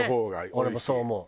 俺もそう思う。